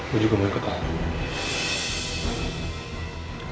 gue juga mau ikut lah